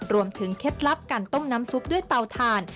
เคล็ดลับการต้มน้ำซุปด้วยเตาถ่าน